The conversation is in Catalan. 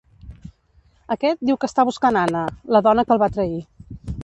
Aquest diu que està buscant Anna, la dona que el va trair.